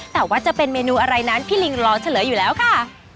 แต่ว่าจะเป็นเมนูอะไรนั้นพี่ลิงรอเฉลยอยู่แล้วค่ะ